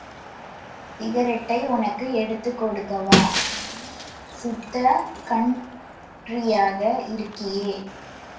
சிகரெட்டை உனக்கு எடுத்துக் கொடுக்கவா?... நீ சுத்த கண்ட்ரியாக இருக்கியே?